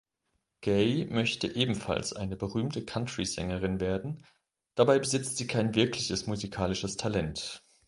Gay möchte ebenfalls eine berühmte Country-Sängerin werden, dabei besitzt sie kein wirkliches musikalisches Talent.